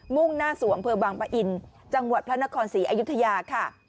มุ่งหน้าสวงเผลอบางปะอิ่นจังหวัดพระนครศรีอายุทยาค่ะ